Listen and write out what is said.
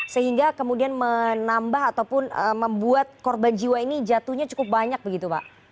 sehingga kemudian menambah ataupun membuat korban jiwa ini jatuhnya cukup banyak begitu pak